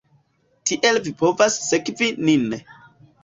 Tiel vi povas sekvi nin